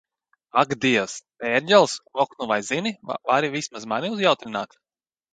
Ak Dievs, ērģeles Oh nu vai zini, vari vismaz mani uzjautrināt?